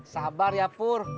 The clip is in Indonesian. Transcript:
sabar ya pur